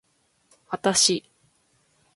あたし